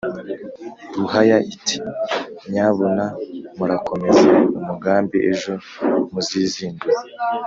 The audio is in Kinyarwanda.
ruhaya iti « nyabuna murakomeze umugambi ejo muzizindure